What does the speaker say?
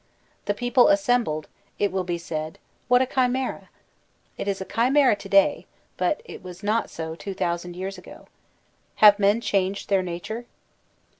The people assembled, it will be said: what a chimera! It is a chimera to day; but it was not so two thousand years ago. Have men changed their nature